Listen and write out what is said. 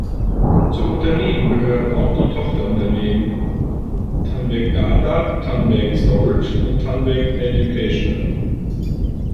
Zum Unternehmen gehören auch die Tochterunternehmen Tandberg Data, Tandberg Storage und Tandberg Educational.